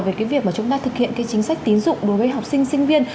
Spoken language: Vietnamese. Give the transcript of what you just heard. về việc chúng ta thực hiện chính sách tiến dụng đối với học sinh sinh viên